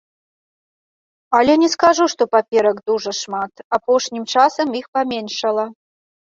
Але не скажу, што паперак дужа шмат, апошнім часам іх паменшала.